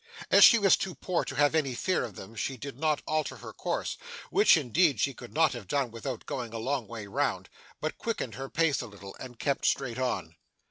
As she was too poor to have any fear of them, she did not alter her course (which, indeed, she could not have done without going a long way round), but quickened her pace a little, and kept straight on.